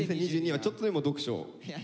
２０２２はちょっとでも読書を。